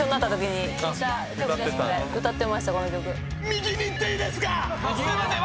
右にいっていいですか⁉すいません。